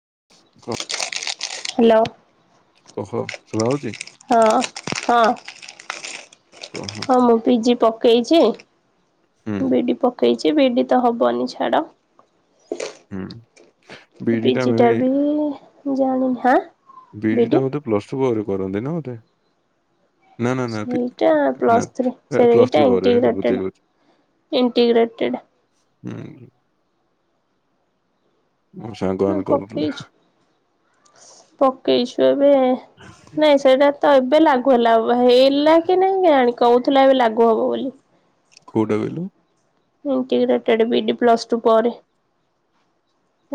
[inaudible] Hello. [unintelligible] ଶୁଣା ହଉଛି । ହଁ ହଁ କହ ହୁଁ । ହଁ ମୁଁ ପିଜି ପକେଇଛି ବିଡି ପକେଇଛି କି ବିଡି ତ ହବନି ଛାଡ ହୁଁ। ବିଡି ଟା ମେ ପିଜିଟା ବି ଜାଣି ହାଁ ବିଡ଼ି ବିଡି ଟା ବୋଧେ ପ୍ଲସ ଟୁ ପରେ କରନ୍ତି ନା [unintelligible] ନା ପି- ସେଇଟା ନା ପ୍ଲସ ଥ୍ରୀ ସରି ପ୍ଲସ ଏଇଟା ଥ୍ରୀ ପରେ ବୁଝିଲି ଇଣ୍ଟିଗ୍ରେଟେଡ ବୁଝିଲି ଇଣ୍ଟିଗ୍ରେଟେଡ । ହୁଁ । ହଁ ସାଙ୍ଗମାନେ କରୁଥିଲେ ପକେଇଛୁ ପକେଇଛୁ ଏବେ ନାଇଁ ସେଟା ତ ଏବେ ଏବେ ଲାଗୁ ହେଲା ଆଉ। ହେଇଲା କି ନାଇଁ ଜାଣି କହୁଥିଲା ଏବେ ଲାଗୁ ହବ ବୋଲି। କୋଉଟା କହିଲୁ? ଇଣ୍ଟିଗ୍ରେଟେଡ ବିଡି ପ୍ଲସ୍ ଟୁ ପରେ।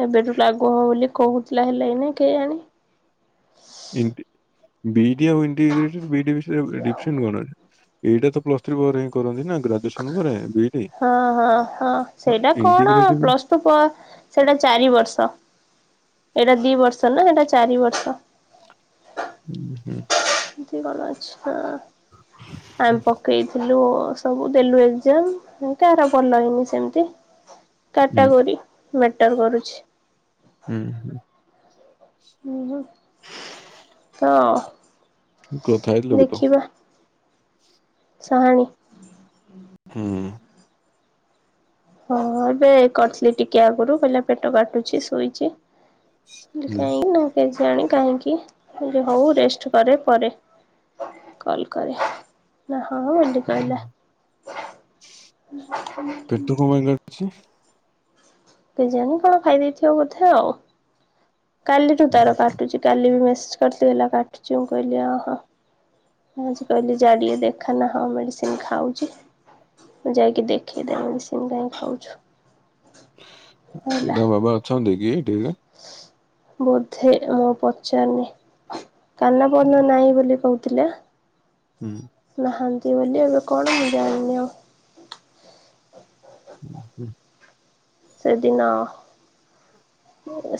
ଏବେଠୁ ଲାଗୁ ହବ ବୋଲି। କହୁଥିଲା ହେଲାକି ନାଇଁ କେୟାଣି। ଇଣ୍ଟ ବି ବି ଆଉ ଇଣ୍ଟି ଭିତ୍ ବି ଡ଼ି ଭିତରେ ଡିଫରେଣ୍ଟ କଣ? ଏଇଟା ତ ପ୍ଲସ ଥ୍ରୀ ପରେ ହିଁ କରନ୍ତି ନା। ଗ୍ରାଜୁଏସନ ପରେ ବିଇଡି ହଁ ହଁ ହଁ ସେଇଟା କଣ ଇଣ୍ଟିଗ୍ରେଟେଡ ହୁଁ ପ୍ଲସ ଟୁ ପ ସେଇଟା ଚାରି ବର୍ଷ। ଏଇଟା ଦି ବର୍ଷ ନା ଏଇଟା ଚାରି ବର୍ଷ। ହୁଁ। ଇ ଗଲ ଅଛି। ହଁ ଆମେ ପକେଇଥିଲୁ। ସବୁ ଦେଲୁ ଏଗଜାମ ଏମିତି ହାର ଭଲ ହେଇନି ସେମତି। କାଟାଗୋରି। ମେଟର କରୁଛି। ହୁଁ ହୁଁ। ହୁଁ ହୁଁ। ହଁ। କଥା ହେଲୁକି ତ। [inaudible] ସାହାଣୀ। ହୁଁ। ହଁ ଏବେ କରିଥିଲି ଟିକେ ଆଗରୁ ।କହିଲା ପେଟ କାଟୁଛି ଶୋଇଛି। ହୁଁ [unintelligible] ଜାଣି କାହିଁକି ।ଯେ ହଉ ରେଷ୍ଟ କରେ ପରେ କଲ୍ କରେ ନା। ହଁ ଏମିତି ହୁଁ। କହିଲା। ଛି। କେଜାଣି କଣ ଖାଇ ଦେଇଥିବ ବୋଧେ ଆଉ। କାଲିଠୁ ହୁଁ। ତାର କାଟୁଛି ।କାଲି ବି ମେସ ଚି ହେଲା କାଟୁଚି ମୁଁ କହିଲି ଅଁ ହଁ। ଆଜି କହିଲି ଯା ଟିକେ ଦେଖା ନା ହଁ ମେଡିସିନ ଖାଉଛି। ମୁଁ ଯାଇକି ଦେଖେଇ ଦେ ମେଡ଼ିସିନ କାଇଁକି ଖାଉଛୁ। ହେଲା। ତା ବାବା ଅଛନ୍ତି କି। [inaudible] ବୋଧେ ମୋ ପଚ୍ଚାର ନ କାନ ପନ ନାହିଁ ବୋଲି କହୁ ଏତଥିଲା ହୁଁ। ହନ୍ତି ବୋଲି ଏବେ କଣ ମୁଁ ଜାଣିନି ଆଉ। ହୁଁ ହୁଁ। ସେଦିନ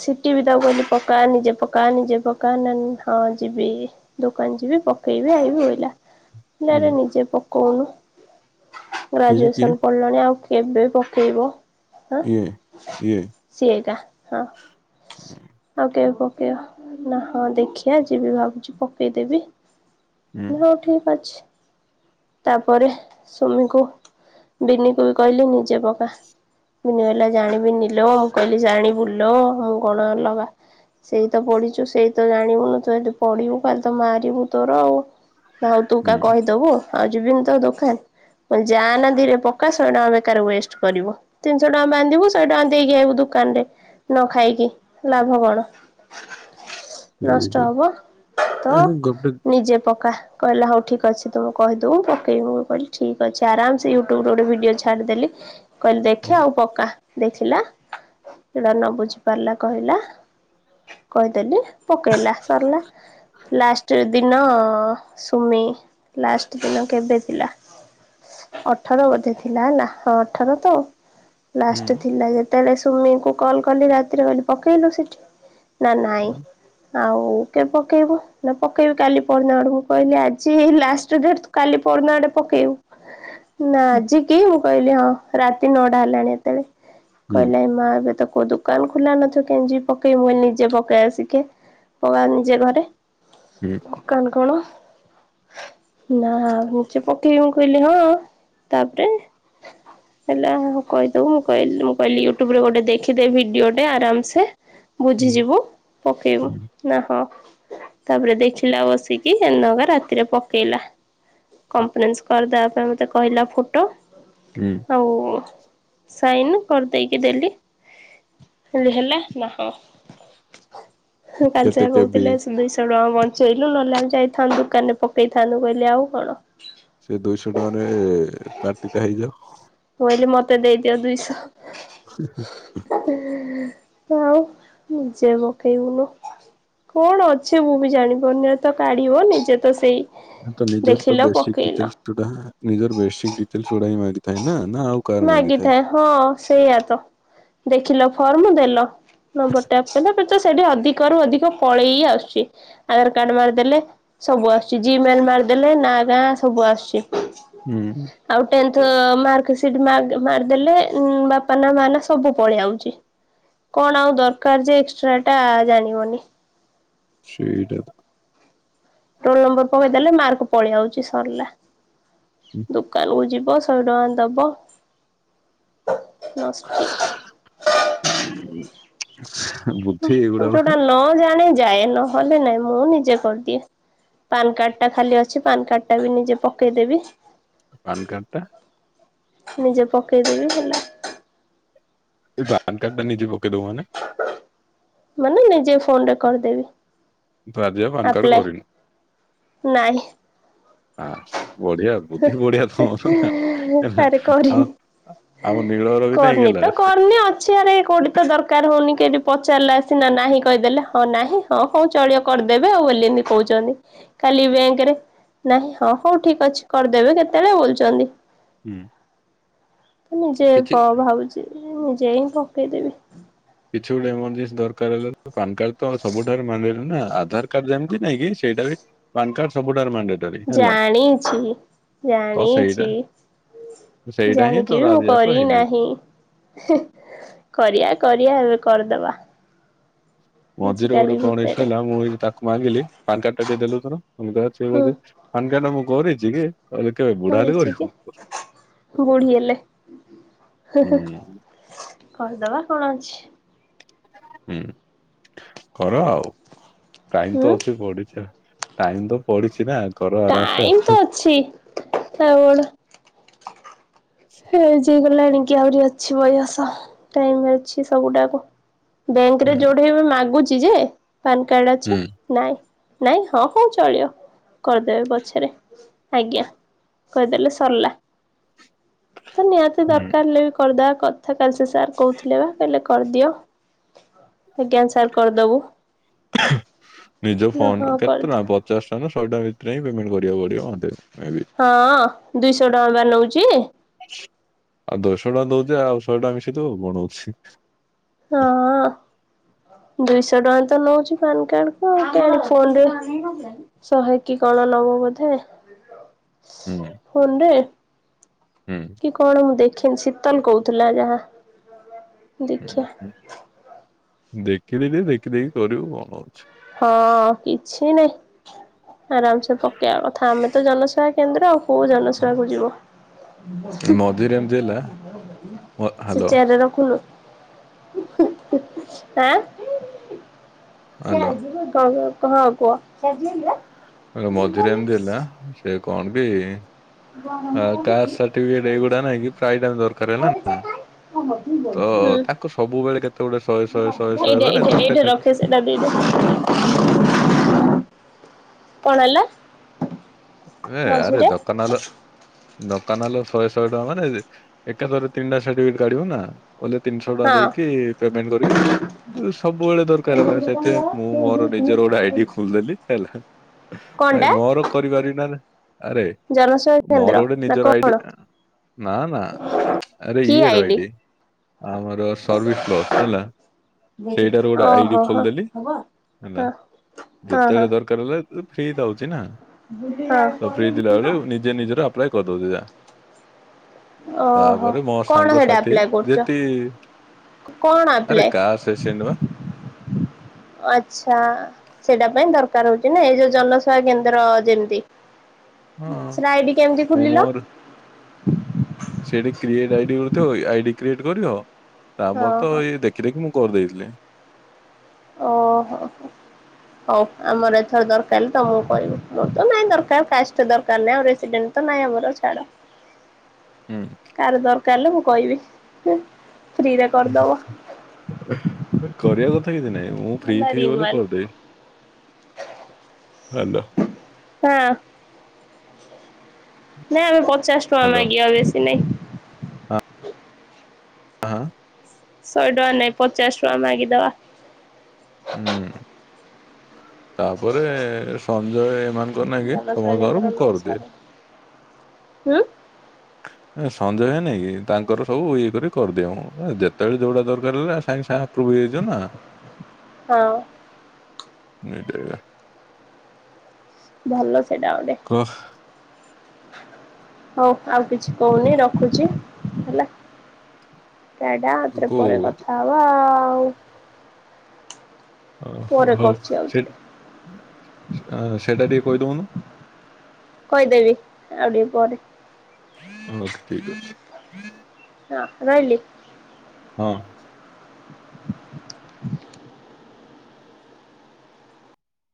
ସିଟିି ବି ତାକୁ କହିଲି ପକା ନିଜେ ପକା ନିଜେ ପକା ନ ହଁ ଯିବି ଦୋକାନ ଯିବି ପକେଇବି ଆଇବି ବୋଇିଲ ନିଜେ ପ କୁଣ ଗ୍ରାଜୁଏସନ ପଢିଲଣି ଆଉ। କେବେ ପକେଇବ। ହଁ ସେଇଟା। ହଁ ଆ ପକେଇବ ପକେଇବା ନା ହଁ ଦେଖିଆ ଯିବି ଭାବୁଛି ପକେଇ ଦେବି। ହଉ ଠିକ ଅଛି। ତାପରେ ସୁମିକୁ ବିିନି କୁ ବି କହିଲି ନିଜେ ପକା ବିିନି ହେଲା ଜାଣିବି ନିଲ ମୁଁ କହିଲି ଜାଣ ବୁଲ। ହ୍ୟାଲୋ ମୁଁ କଣ ଅଲଗା ସେଇ ତ ପଢିଛୁ ସେଇ ତ ଜାଣିବୁନୁ ତୁ ଯି ପଢିବୁ ଖାଲି ତ ମାରିବୁ ତୋର ଆଉ ହଉ ତୁ କା କହିଦବୁ। ଆଉ ଯିବିନି ତ ଦୋକାନ ଯା ନା ଧିରେ ପକା ଶହେ ଟଙ୍କା ବେକାର ୱେଷ୍ଟ କରିବ ତିନିଶହ ଟଙ୍କା ବାନ୍ଧିବୁ ଶହେ ଟଙ୍କା ଦେଇକି ଆିବୁ ଦୋକାନ ରେ ନ ଖାଇକି ଲାଭ କଣ ନଷ୍ଟ ହବ ତ ନିଜେ ପକା କହିଲା ହଉ ଠିକ ଅଛି ତମେ କହିଦବୁ ପକେଇବୁଁ କହିଲି ଠିକ ଅଛି ଆରାମ ସେ ୟୁଟ୍ୟୁବ ଗୋଟେ ଭିଡିଓ ଛାଡିଦେଲି। କହିଲେ ଦେଖେ ଆଉ ପକା। ଦେଖିଲା ପୁରା ନବ ବୁଝିପାରିଲା କହିଲା କହିଦେଲି। ପକେଇଲା ସରିଲା। ଲାଷ୍ଟ ଦିନ ସୁମି ଲାଷ୍ଟ ଦିନ କେବେ ଥିଲା ଅଠର ବଧେ ଥିଲା ହେଲା ହଁ ଅଠର ତ ଲାଷ୍ଟ ଥିଲା ଲାଗ ତାଲେ ସୁମି କ କଲ୍ କଲି ରାତିରେ କଲି ପକେଇଲୁ ସେଠି। ନା ନାଇ ଆଉ କେବେ ପକେଇବୁ ନା ପକେଇବି କାଲି ପଡ଼ନା ଆଡକୁ କହିଲି ଆଜି ଲାଷ୍ଟ ଡେଟ୍ କାଲି ପନା ଆଡେ ପକେଇବୁ। ନା ଆଜି କି କହିଲି ହଁ ରାତି ନଅଟା ହେଲାଣି ଏତେବେଳେ କହିଲା ଏ ମା ଏବେ ତ କୁଦୁ ଦୋକାନ ଖୋଲା ନଥିବ କେମତି ପକେଇ ମୁ ନିଜେ ପକେଇ ଆସିକେ ପ ନିଜେ କରେ କଣ କଣ? ନା ପକେଇବି ମୁଁ କହିଲି ହଁ ତାପରେ ହେଲା କହିଦବ ମୁଁ କହିଲି ମୁଁ କହିଲି ୟୁଟୁବରେ ଗୋଟେ ଦେଖିଦେବ ଭିଡି ଭିଡ଼ିଓଟେ ଆରାମ ସେ ବୁଝିଯିବୁ ପକେଇବୁ ନା ହଁ। ତାପରେ ଦେଖିଲା ବସିକି ଏନଗ ରାତିରେ ପକେଇଲା କପନ୍ସ କରିଦ ପାଇଁ ମତେ କହିଲା ଫଟୋ ଆଉ। ସାଇନ କରିଦେଇକି ଦେଲି ହେ ହେଲେ ନା ହଁ। କାଲି କେତେ ସେଇଆ କେବି କହୁଥିଲେ ସୁ ଦୁଇଶହ ରଙ୍ଗ। ବଞ୍ଚେଇଲୁ ନହେଲେ ଆମ ଯାଇଥାନ୍ତୁ ଦୋକାନ ରେ ପକେଇଥାନ୍ତୁ କହିଲେ ଆଉ କଣ? ସେ ଦୁଇଶହ ଟଙ୍କାରେ ପାଟି ଟା ହେଇଯାଉ। ମୁଁ କହିଲି ମତେ ଦେଇଦିଅ ଦୁଇଶହ [unintelligible] ଆଉ ନିଜେ ପକେଇବୁନୁ କଣ ଅଛି ମୁଁ ବି ଜାଣିିବନି ତ କାଢିବ ନିଜେ ତ ସେଇ ତ ନିଜର ତ ଦେଖିଲ ବେଶିକ ପକେଇଲ। ଡିଟେଲସ ଡା ନିଜର ବେସିକ ଡିଟେଲସ ଗୁଡ଼ା ହିଁ ଭାରି ଥାଏ ନା। ନା ଆଉ କାହାର ମାଗିଥାଏ ହଁ ସେଇଆ ତ। ଦେଖିଲ ଫର୍ମ ଦେଲ ନମ୍ବର ଟପ କ ପଚ [unintelligible] ସେଠି ଅଧିକରୁୁ ଅଧିକ ପଳେଇ ଆସୁଛି ଆଧାର କାର୍ଡ ମାରିଦେଲେ ସବୁ ଆସୁଛି ଜିମେଲ ମାରିଦେଲେ ନା ଗାଁ ସବୁ ଆସୁଛି। ହୁଁ। ତ ମାର୍କ ଆ ମାରିଦେଲେ ବାପା ନା ମା ନା ସବୁ ପଳେଇଆଉଛି କଣ ଆଉ ଦରକାର ଯେ ଏକ୍ସଟ୍ରା ଟା ଜାଣିବନି ଶଇଡ଼ [unintelligible] ରୋଲ ନମ୍ବର ପକେଇଦେଲେ ମାର୍କ ପଳେଇଆାଉଚଛି ସରିଲା। ଦୋକାନକୁ ଯି ପୁଅ ସହେ ଟଙ୍କା ଦବ ନଷ୍ଟ। ହୁଁ। [inaudible] ତୁ ଏଗୁଡା ବା ଯୋଉଟା ନ ଜାଣ ଯାଏ ନହେଲେ ନାଇଁ ମୁଁ ନିଜେ କରିଦିଏ ପାନ କାର୍ଡ ଟା ଖାଲି ଅଛି ପାନ କାର୍ଡ ଟା ବି ନିଜେ ପକେଇଦେବି। ପାନ୍ କାର୍ଡ ଟା ନିଜେ ପକେଇଦେବି ହେଲା। ତୋ ପାୟନ୍ କାଡ଼ ଟା ନିଜେ ପକେଇ ଦବୁ ମାନେ? ମାନେ ନିଜ ଫୋନ ରେ କରିଦେବି। ତୁ ଆଜି ଆଉ ପାନ୍ କାର୍ଡ ଆପ୍ଲା କରିନୁ ନାଇଁ। ଆ ହେଲା ଆରେ କୋଉଠି ଆଉ ଆମ ନୀଳର ବି ନାଇଁ କରିନି, ହେଲା ତ ସେ କରିନି ଅଛି ଆଡେ କୋଉଠି ତ ଦରକାର ହୋଉନି ପଚାରିଲା ସିନା ନାହିଁ କହିଦେଲେ, ହଁ ନାହିଁ, ହଁ ହଉ ଚଳିବ କରିଦେବେ ବୋଲିନି କୋହୁଛନ୍ତି । କାଲି ବ୍ୟାଙ୍କ ରେ ନାହିଁ ହଁ ହୋଉ ଠିକ୍ ଅଛି । କରଦେବେ କେତେଳେ ବୁଲୁଚନ୍ତି । ହୁଁ। ନିଜେ କିଛି ଭାବୁଛି ନିଜେ ହିଁ ପକେଇଦେବି କିଛି ଗୋଟେ ଏମର୍ଜେନ୍ସି ଦରକାର ହେଲା ପାନ କାର୍ଡ ତ ସବୁଠାରେ ମାନଡେଟ୍ ନା ଆଧାର କାର୍ଡ ଯେମିତି ନାଇଁ କି ସେଇଟା ବି ପାନ କାର୍ଡ ସବୁଠାରେ ମାନଡେଟ୍। ଜାଣିଛି ତ ସେଇଟା ଜାଣିଛି ସେଇଟା ହିଁ ଜାଣିକି ତୋର ବି ମୁଁ ଆଜି ଯାକ ହେଇନି କରିନାହିଁ କରିବା କରିବା। କରିଦବା। ମଝିରେ ଗୋଟେ ଆଜିକାଲି କଣ ଇସୁ ଭିତରେ ହେଲା ମୁଁ ଏଇ ତାକୁ ମାଗିଲି ପାନ କାର୍ଡ ଟା ଟିକେ ଦେଲୁ ତୋର କ ହୁଁ [unintelligible] ପାନ କାର୍ଡ ଟା ମୁଁ କରିଛି [unintelligible] ଜିଗେ କହିଲି କେବେ ବୁଢା ହେଲେ କରିଛି କି କରିବୁ ବୁଢୀ ହେଲେ କରିଦବା କଣ ଅଛି। ହୁଁ କର ଆଉ ଟାଇମ ତ ହୁଁ ଅଛି ପଡିଜା ଟାଇମ୍ ତ ପଡିିଛି ନା। କର ଆରାମସେ ଟାଇମ ଆଉ। ତ ଅଛି ତାପର [unintelligible] ହଁ ଯ ଗ ଲାଣି କି ଆହୁରି ଅଛି ବୟସ ଟାଇମ ଅଛି ସବୁଡାକୁ ବ୍ୟାଙ୍କ ରେ ହୁଁ ଯୋଉଠି ଏବେ ମାଗୁଛି। [unintelligible] ଯେ ପାନ କାର୍ଡ ଅଛି ହୁଁ ନାଇଁ ନାଇଁ ହଁ ହଉ ଚଳିବ କରିଦେବେ ପଛରେ ଆଜ୍ଞା କହିଦେଲେ ସରିଲା ତ ନିହାତି ହୁଁ। ଦରକାର ହେଲେ ବି କରିଦଵା। କଥା କାଲି ସେ ସାର୍ କହୁଥିଲେ ବା କହିଲେ କରିଦିଅ। ଆଜ୍ଞାା ସାର୍ କରିଦବୁ ନା ହଁ କରିଦିଅ। [unintelligible] ଛଟା ଭିତରେଁ ହିଁ ପେମେଣ୍ଟ କରିବା ପଡିବ ମୋତେ। ହଁ। ଦୁଇଶହ ଟଙ୍କା ବା ନେଉଛି। ଆଉ ଦୁଇ ଶହ ଟଙ୍କା ଦଉଛି ଆଉ ଶହେ ଟଙ୍କା ମିଶେଇ ଦଵୁ କଣ ହଉଛି। ହଁ। ଦୁଇଶହ ଟଙ୍କା ତ ନଉଛି ପାନ କାର୍ଡ କୁ [unintelligible] ଫୋନେରେ ଶହେଟି କଣ ନବ ବୋଧେ। ହୁଁ ଫୋନରେ ହୁଁ କି କଣ ମୁଁ ଦେଖି ଦେଖିନ ଶୀତଲ କହୁଥିଲା ଯାହା। ଦେଖିଆ। ଦେଖିଲେ ବି ଦେଖିଦେଇକି କରିବୁ କଣ ହଉଛି। ହଁ କିଛି ନାଇଁ ଆରାମ ସେ କ କଥା ଆମେ ତ ଜନସେବା କେନ୍ଦ୍ର। କୋଉ ଜନଶୁବାକୁ ଯିବ ମଝିରେ ଏମିତି ହେଲା ସେ ହ୍ୟାଲୋ ଚେୟାର ରେ ରଖୁନୁ ଆଁ? ହ୍ୟାଲୋ [unintelligible] ହଁ କୁହ। ମଝିରେ ଏମିତି ହେଲା ସେ କଣ କି ତା ସାଠି ପିକେଟ୍ ଏଇଗୁଡା ନହିଁ କି ଦରକାର ହେଲା ହଁ ନା କୁହ ତ ହୁଁ। ତାକୁ ସବୁବେଳେ କେତେ ଗୁଟେ ଶହେ ଶହେ ଶହେ ଏଇଟା ଶହେ ଏଇଟା ଗୋଟେ ଏଇଟା ସା ରଖେ ସେଇଟା ଦେଇଦେ କଣ ହେଲା? ଏ ଆରେ ମଝିରେ ଦୋକାନ ଵାଲା ଦୋକାନ ହେଲେ ଶହେ ଶହେ ଟଙ୍କା ମାନେ ଏକାଥର ତିନିଟା ସାର୍ଟିଫିକେଟ କାଢିବ ନା ବଲେ ତିନିଶହ ଟଙ୍କା ହଁ ଦେଇକି ପେମେଣ୍ଟ କରିବି ସବୁବେଳେ ଦରକାର ହେଲା ସେଥିପାଇଁ ମୁଁ ମୋର ନିଜର ଗୋଟେ ଆଇଡି ଖୋଲିଦେଲି ହେଲା। ଭାଇ କଣଟା? ମୋର [unintelligible] ଆରେ ଜନସେବା କେନ୍ଦ୍ର ମୋର ଗୋଟେ ନା ନିଜର ଆଇଡି କଣ ନା ନା ଆରେ କି ଇଏର ଆଇଡି ଆଇଡ଼ି ଆମର ସର୍ଭିସ୍ ପ୍ଲସ୍ ହେଲା ସେଇଟାର ଗୋଟେ ଆଇଡି ଓହୋ ହୋ ଖୋଲିଦେଲି ହେଲା ହଁ ହଁ ହଁ ଯେତେବେଳେ ଦରକାର ହେଲା ଫ୍ରି ଥାଉଛି ନା। ତ ଫ୍ରି ହଁ ଥିଲାବେେଳେ ନିଜେ ନିଜର ଅପ୍ଲାଏ କଦଉଛି ଯା। ଓହୋ ତାପରେ ମୋ କଣ ସେଇଟା ସାଙ୍ଗସାଥି ଆପ୍ଲାଏ କରୁଛ? ଯେତିି କଣ ଆରେ ଆପ୍ଲାଏ କାହା ସେଣ୍ଡ ବା। ଆଚ୍ଛା ସେଇଟା ପାଇଁ ଦରକାର ହଉଛି ନା ଏଇ ଯୋଉ ଜନସେବା କେନ୍ଦ୍ର ଯେମିତି? ହଁ ସଇଟା ଆଇଡି କେମିତି ମୁଁ ଖୋଲିଲ? ମୋର [inaudible] ସେଇଠି କ୍ରିଏଟ ଆଇଡି ହୋଉଥିବ ଆଇଡି କ୍ରିଏଟ କରିବ ତା ପରେ ତ ଓହୋ ଇଏ ଦେଖି ଦେଖି ମୁଁ କରି ଦେଇେଇଥିଲେ। ଓହୋ ହଉ ଆମର ଏଥର ଦରକାର ତମକୁ କହିବୁ ମୋର ତ ନାଇଁ ଦରକାର କାଷ୍ଟ ଦରକାର ନାହିଁ ଆଉ ରେସିଡେଣ୍ଟ ତ ନହିଁ ଆମର ଛାଡ। ହୁଁ କାହାର ଦରକାର କହିବି ହୁଁ। କରିବା କ ଥା କିଛି ନାହିଁ। ମୁଁ ହେଲା ଫ୍ରିଟ ହେଇଗଲେ ରିନୁଆଲ କରିଦେବି। ହାଲୋ। ହଁ। ନାଇଁ ଆମେ ପଚାଶ ଟଙ୍କା ହ୍ୟାଲୋ ମାଗିବା ବେଶୀ ନାଇଁ। [inaudible] ହଁ। ଶହେ ଟଙ୍କା ନାଇଁ ପଚାଶ ଟଙ୍କା ମାଗି ଦବା। ହୁଁ ତାପରେ ସଞ୍ଜୟ ଏ ମାନେ ନ ଜନସେବା ସମସ୍ତଙ୍କରୁ କେନ୍ଦ୍ର ମୁଁ କରିଦିଏ। ନଉଶହରେ ହୁଁ। ସଞ୍ଜୟ ହେଇନି କି ତାଙ୍କର ସବୁ ଇଏ କରି କରିଦିଏ ମୁଁ ଯେତେବେଳେ ଯୋଉଡା ଦରକାର ହେଲା ସାଙ୍ଗେ ସାଙ୍ଗେ ଆପ୍ରୁଭ ହେଇଯିବ ନା। ହଁ ନିଟ୍ରେଲା। ଭଲ ସେଇଟା ଗୋଟେ। କହ ହଉ ଆଉ କିଛି କହୁନି ରଖୁଛି ହେଲା। ଟା ଟା ଆଉ ଥରେ କୋଉ ପରେ କଥା ହବା। ହଉ। ଓ ହଉ କରୁଛି ସେ ଆଉଥରେ ସେଟା ଟିକେ କହିଦଉନୁ। କହିଦେବି ଆଉ ଟିକେ ପରେ। ଓକେ ହଁ ଠିକ ଅଛି। ହଁ ରହିଲି? ହଁ।